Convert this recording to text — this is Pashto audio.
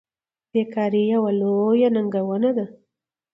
بیکاري یوه لویه ننګونه ده.